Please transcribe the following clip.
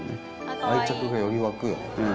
愛着がより湧くよね。